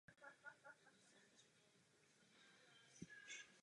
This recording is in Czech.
Zemědělství bylo hlavním zaměstnáním i za první republiky.